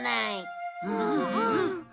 うんうん。